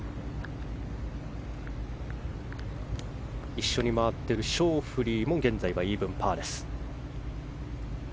一緒に回っているショーフリーも現在はイーブンパーです。